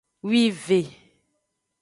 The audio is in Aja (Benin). Wive.